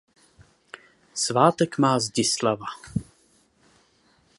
Svátek má Zdislava.